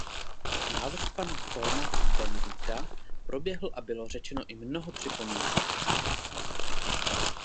Návrh pana Cohna-Bendita proběhl a bylo řečeno i mnoho připomínek.